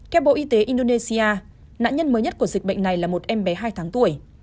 theo bộ y tế indonesia nạn nhân mới nhất của dịch bệnh này là một em bé hai tháng tuổi